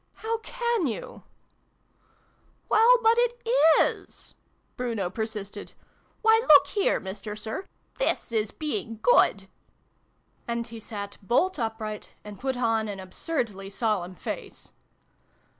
"How can you ?"" Well, but it is" Bruno persisted. " Why. look here, Mister Sir! This is being good!" 220 SYLVIE AND BRUNO CONCLUDED. And he sat bolt upright, and put on an absurdly solemn face.